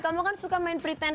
kamu kan suka main pretend